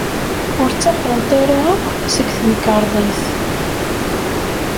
Ur ttaxrent ara akk seg temkarḍit.